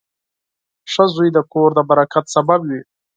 • ښه زوی د کور د برکت سبب وي.